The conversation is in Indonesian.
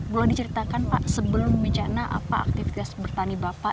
boleh diceritakan pak sebelum bencana apa aktivitas bertani bapak